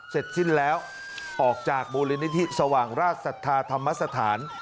เสร็จสิ้นแล้วออกจากมูลนิธิสว่างราชศรัทธาธรรมสถาน